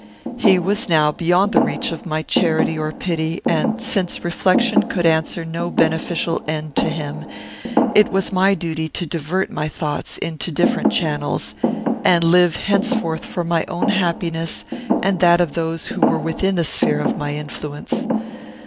He was now beyond the reach of my charity or pity; and, since reflection could answer no beneficial end to him, it was my duty to divert my thoughts into different channels, and live henceforth for my own happiness and that of those who were within the sphere of my influence.